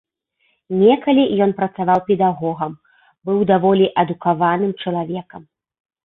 Некалі ён працаваў педагогам, быў даволі адукаваным чалавекам.